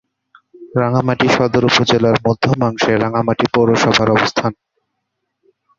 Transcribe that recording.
রাঙ্গামাটি সদর উপজেলার মধ্যাংশে রাঙ্গামাটি পৌরসভার অবস্থান।